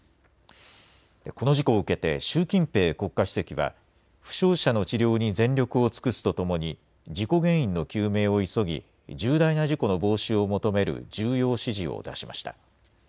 この事故を受けて習近平国家主席は負傷者の治療に全力を尽くすとともに事故原因の究明を急ぎ重大な事故の防止を求める重要指示を出しました。